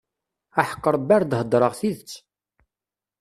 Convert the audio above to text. Aḥeqq Rebbi ar d-heddṛeɣ tidet.